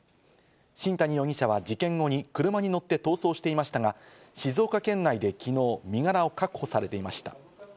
新谷容疑者は事件後に車に乗って逃走していましたが、静岡県内で昨日、身柄を確保されていました。